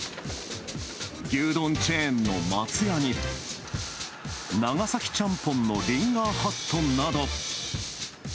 牛丼チェーンの松屋に長崎ちゃんぽんのリンガーハットなど。